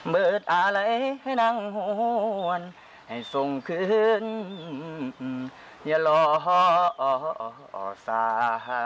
เบิดอะไรให้นางหวนให้ส่งขึ้นอย่าลอสาร